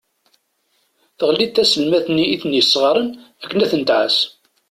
Teɣli-d taselmadt-nni i ten-yesɣarayen akken ad ten-tɛas.